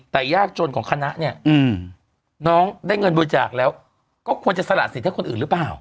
แต่ยากจนของคณะเนี่ยน้องได้เงินบริจาคแล้วก็ควรจะสละสิทธิ์คนอื่นหรือเปล่า